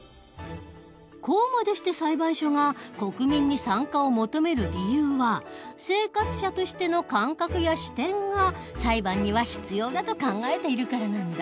こうまでして裁判所が国民に参加を求める理由は生活者として感覚や視点が裁判には必要だと考えているからなんだ。